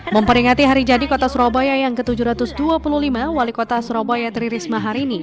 memperingati hari jadi kota surabaya yang ke tujuh ratus dua puluh lima wali kota surabaya tri risma hari ini